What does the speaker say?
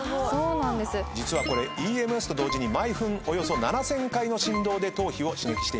実はこれＥＭＳと同時に毎分およそ７，０００回の振動で頭皮を刺激しています。